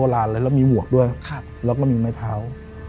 ลานเลยแล้วมีหมวกด้วยแล้วก็มีไม้เท้า